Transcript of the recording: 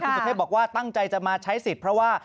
คุณสุเทพบอกว่าตั้งใจจะมาใช้สิทธิ์เพราะว่า